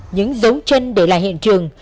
những dấu chân để lại hiện trường